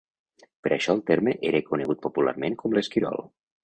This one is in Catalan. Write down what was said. Per això el terme era conegut popularment com l'Esquirol.